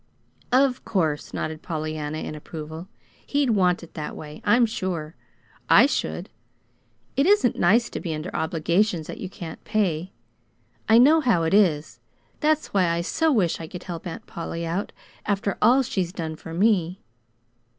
"Of course," nodded Pollyanna, in approval. "He'd want it that way, I'm sure. I should. It isn't nice to be under obligations that you can't pay. I know how it is. That's why I so wish I could help Aunt Polly out after all she's done for me!"